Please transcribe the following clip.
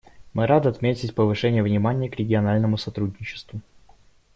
Мы рады отметить повышение внимания к региональному сотрудничеству.